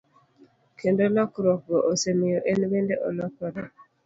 Kendo lokruokgo osemiyo en bende olokore.